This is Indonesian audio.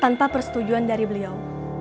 tanpa persetujuan dari beliau